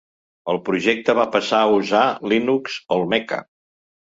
El projecte va passar a usar Linux Olmeca.